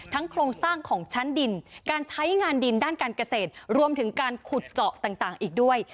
โครงสร้างของชั้นดินการใช้งานดินด้านการเกษตรรวมถึงการขุดเจาะต่างอีกด้วย